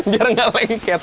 biar gak lengket